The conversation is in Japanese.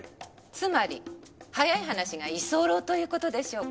つまり早い話が居候という事でしょうか？